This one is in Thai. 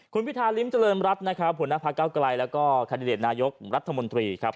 คุณพิธาลิ้มเจริญรัฐผู้นักภาคเก้าไกรแล้วก็คณิตนายกรัฐมนตรีครับ